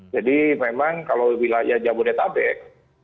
jadi memang kalau wilayah jabodetabek